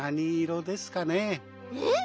えっ？